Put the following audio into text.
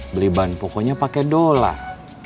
beli bahan pokoknya pakai dolar